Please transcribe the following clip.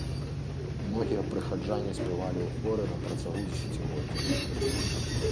Многія прыхаджане спявалі ў хоры на працягу дзесяцігоддзяў.